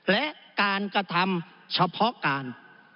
และการกระทำเฉพาะการ